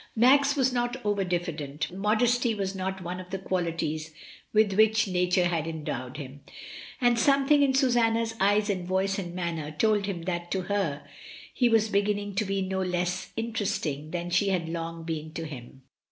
Max was not over diffident; modesty was not one of the qualities with which nature had endowed him, and something in Susanna's eyes and voice and manner told him that to her he I06 MRS. DYMOND. was beginning to be no less interesting than she had long been to him.